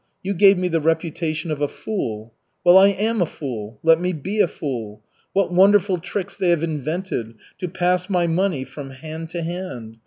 You gave me the reputation of a fool. Well, I am a fool. Let me be a fool. What wonderful tricks they have invented to pass my money from hand to hand!